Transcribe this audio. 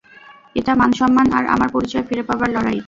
এটা মান-সম্মান আর আমার পরিচয় ফিরে পাবার লড়াই।